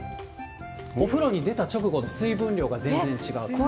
お風呂を出た直後の水分量が全然違う。